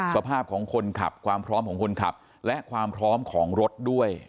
สภาพของคนขับความพร้อมของคนขับและความพร้อมของรถด้วย